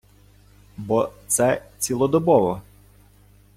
Бо це цілодобово.